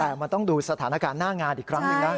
แต่มันต้องดูสถานการณ์หน้างานอีกครั้งหนึ่งนะ